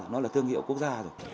nó là thương hiệu quốc gia rồi